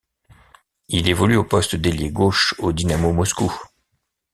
Il évolue au poste d'ailier gauche au Dynamo Moscou.